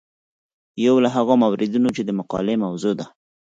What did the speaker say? یو له هغو موردونو چې د مقالې موضوع ده.